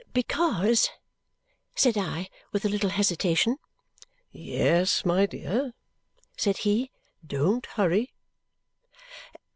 "Because " said I with a little hesitation. "Yes, my dear!" said he. "Don't hurry."